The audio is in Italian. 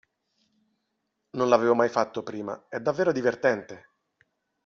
Non l'avevo mai fatto prima, è davvero divertente!